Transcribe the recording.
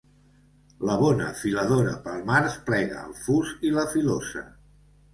La bona filadora pel març plega el fus i la filosa.